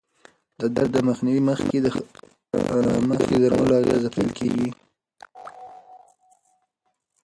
د درد مخنیوي مخکې د درملو اغېزه پېل کېږي.